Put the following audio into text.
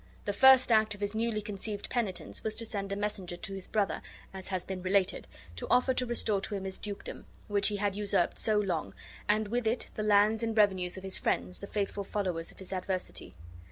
The first act of his newly conceived penitence was to send a messenger to his brother (as has been related) to offer to restore to him his dukedom, which be had usurped so long, and with it the lands and revenues of his friends, the faithful followers of his adversity.